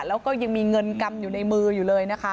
เราก็ยังมีเงินกรรมอยู่ในมืออยู่เลย